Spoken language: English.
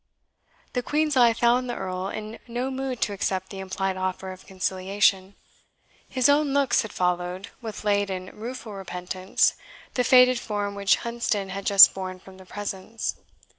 The Queen's eye found the Earl in no mood to accept the implied offer of conciliation. His own looks had followed, with late and rueful repentance, the faded form which Hunsdon had just borne from the presence.